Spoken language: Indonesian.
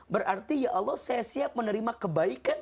berarti ya allah saya siap menerima kebaikan